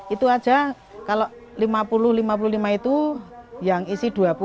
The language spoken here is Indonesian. itu aja kalau lima puluh lima puluh lima itu yang isi dua puluh